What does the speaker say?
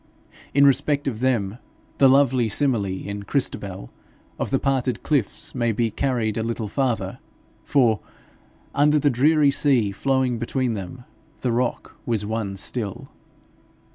In respect of them, the lovely simile, in Christabel, of the parted cliffs, may be carried a little farther, for, under the dreary sea flowing between them, the rock was one still.